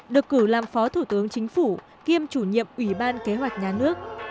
được cử làm phó thủ tướng chính phủ kiêm chủ nhiệm ủy ban kế hoạch nhà nước